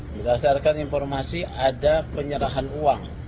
berdasarkan informasi ada penyerahan uang